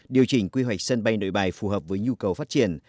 điều chỉnh quy hoạch sân bay nội bài phù hợp với nhu cầu phát triển